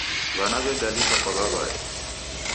W'ana w'egalishwa kwa w'aw'ae.